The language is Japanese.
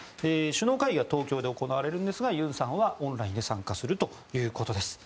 首脳会議は東京で行われるんですが尹さんはオンラインで参加するということです。